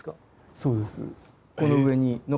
そうです。